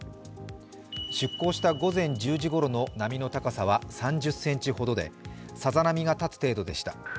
出航した午前１０時ごろの波の高さは３０ｃｍほどでさざ波が立つ程度でした。